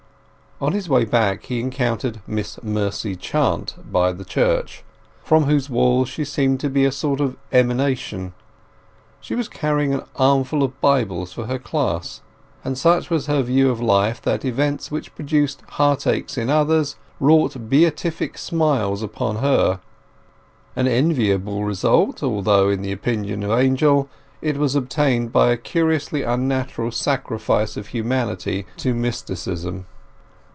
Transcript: On his way back he encountered Miss Mercy Chant by the church, from whose walls she seemed to be a sort of emanation. She was carrying an armful of Bibles for her class, and such was her view of life that events which produced heartache in others wrought beatific smiles upon her—an enviable result, although, in the opinion of Angel, it was obtained by a curiously unnatural sacrifice of humanity to mysticism.